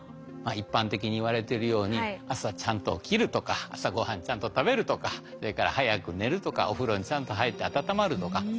一般的にいわれてるように朝ちゃんと起きるとか朝ごはんちゃんと食べるとかそれから早く寝るとかお風呂にちゃんと入って温まるとか。